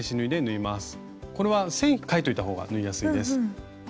これは線描いておいたほうが縫いやすいです。